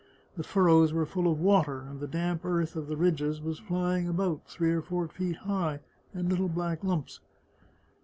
The furrows were full of water, and the damp earth of the ridges was flying about, three or four feet high, in little black lumps.